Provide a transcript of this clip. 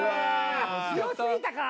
強過ぎたか。